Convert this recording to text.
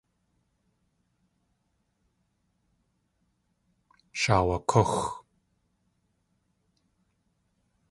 Shaawakúx.